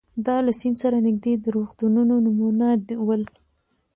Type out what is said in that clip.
دا له سیند سره نږدې د روغتونونو نومونه ول.